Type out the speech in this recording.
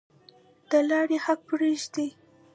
د لارې حق پریږدئ؟